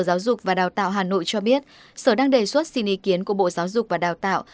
giáo dục và đào tạo hà nội cho biết sở đang đề xuất xin ý kiến của bộ giáo dục và đào tạo